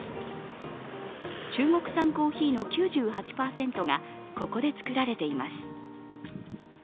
中国産コーヒーの９８％がここで作られています。